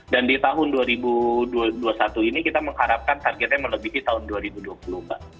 dan di tahun dua ribu dua puluh satu ini kita mengharapkan targetnya melebihi tahun dua ribu dua puluh mbak